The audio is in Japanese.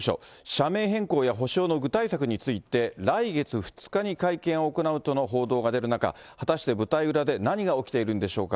社名変更や補償の具体策について、来月２日に会見を行うとの報道が出る中、果たして舞台裏で何が起きているんでしょうか。